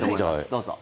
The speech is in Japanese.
どうぞ。